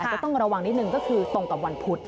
ก็ต้องระวังนิดนึงก็คือตรงกับวันพุธ